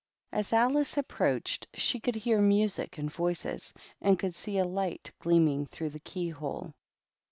Ab Alice approacl she could hear music and voices, and could a light gleaming through the key hole.